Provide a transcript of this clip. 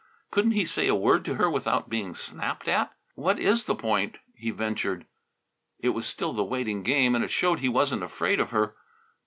Couldn't he say a word to her without being snapped at? "What is the point?" he ventured. It was still the waiting game, and it showed he wasn't afraid of her.